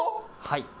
はい。